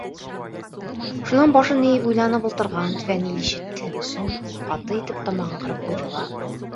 Шунан башын эйеп уйланып ултырған Фәнил ишетһен өсөнмө, ҡаты итеп тамағын ҡырып ҡуйҙы ла: